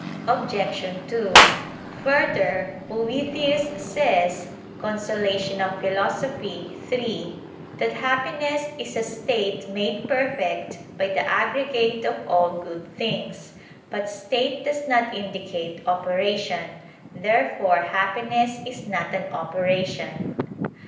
Obj. 2: Further, Boethius says (De Consol. iii) that happiness is "a state made perfect by the aggregate of all good things." But state does not indicate operation. Therefore happiness is not an operation.